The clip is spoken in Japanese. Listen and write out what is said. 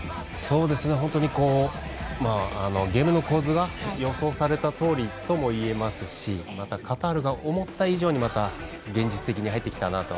本当にゲームの構図は予想されたとおりとも言えますしまた、カタールが思った以上にまた現実的に入ってきたなと。